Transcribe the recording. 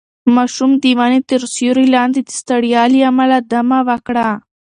ماشوم د ونې تر سیوري لاندې د ستړیا له امله دمه وکړه.